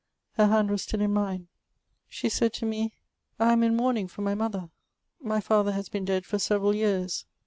Her hand was still in mine. She said to me, *' I am in mourning for miy mother ; my father has been dead for several years.